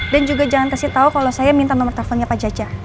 dan juga jangan kasih tau kalau saya minta nomor teleponnya pak jajah